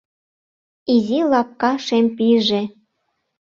Изи лапка шем пийже